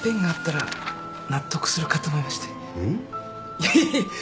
いやいやいやいや。